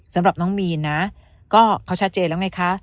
สำหรับน้องมีนนะก็เขาชัดเจนแล้วไงคะ